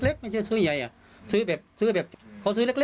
ก็เลยต้องรีบไปแจ้งให้ตรวจสอบคือตอนนี้ครอบครัวรู้สึกไม่ไกล